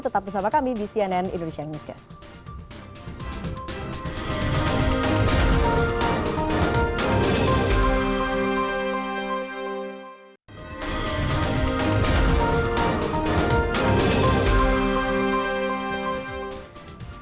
tetap bersama kami di cnn indonesia newscast